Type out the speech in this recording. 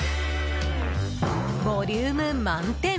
ボリューム満点！